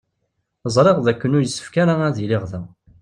Ẓriɣ d akken ur yessefk ara ad iliɣ da.